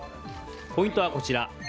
ポイントはこちら。